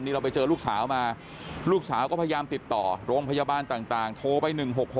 เราไปเจอลูกสาวมาลูกสาวก็พยายามติดต่อโรงพยาบาลต่างโทรไป๑๖๖